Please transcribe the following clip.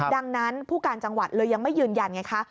ดังนั้นผู้การจังหวัดเลยยังไม่ยืนยันไงคะ